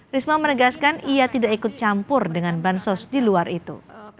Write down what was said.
risma menegaskan ia tidak ikut campur dengan bansos di luar itu